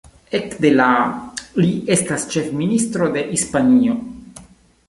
Ekde la li estas ĉefministro de Hispanio.